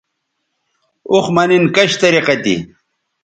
اوخ مہ نِن کش طریقہ تھی